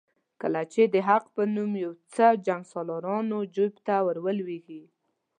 کله چې د حق په نوم یو څه جنګسالارانو جیب ته ولوېږي.